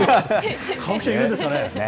買う人いるんですかね。